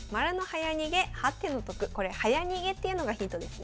これ「早逃げ」っていうのがヒントですね。